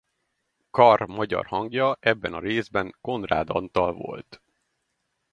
Karr magyar hangja ebben a részben Konrád Antal volt.